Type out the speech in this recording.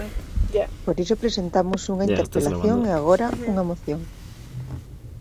Por iso presentamos unha interpelación e agora unha moción.